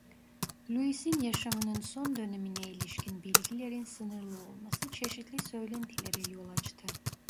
Louis'in yaşamının son dönemine ilişkin bilgilerin sınırlı olması çeşitli söylentilere yol açtı.